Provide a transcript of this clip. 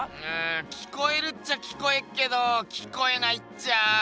うん聞こえるっちゃ聞こえっけど聞こえないっちゃ。